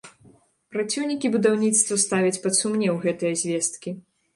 Праціўнікі будаўніцтва ставяць пад сумнеў гэтыя звесткі.